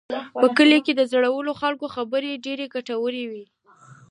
په کلي کې د زړو خلکو خبرې ډېرې ګټورې وي.